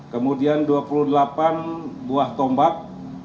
kemudian dua puluh delapan buah tombak